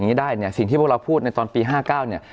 อะไรอย่างนี้ได้เนี่ยสิ่งที่พวกเราพูดในตอนปีห้าเก้าเนี่ย